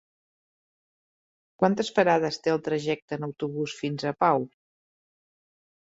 Quantes parades té el trajecte en autobús fins a Pau?